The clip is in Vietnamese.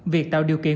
việc tạo điều kiện